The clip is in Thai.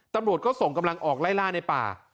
ตำรวจก็ส่งกำลังออกไล่ล่าในป่า